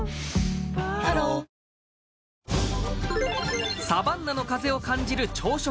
ハローサバンナの風を感じる朝食